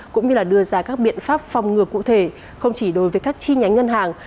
cũng như đưa ra các biện pháp phòng ngừa cụ thể không chỉ đối với các chi nhánh ngân hàng